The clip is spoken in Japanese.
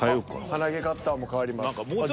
鼻毛カッターも変わります。